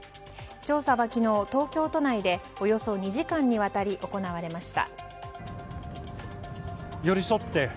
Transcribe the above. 調査は、昨日東京都内でおよそ２時間にわたり行われました。